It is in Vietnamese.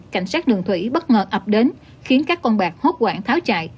cảnh sát đường thủy bất ngờ ập đến khiến các con bạc hốt quản tháo chạy